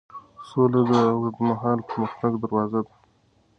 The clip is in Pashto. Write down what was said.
سوله د اوږدمهاله پرمختګ دروازه ده.